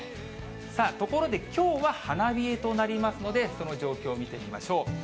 さあ、ところできょうは花冷えとなりますので、その状況を見てみましょう。